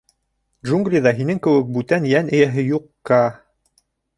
Джунглиҙа һинең кеүек бүтән йән эйәһе юҡ, Каа!